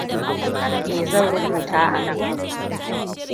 Me zan rubuta a nan?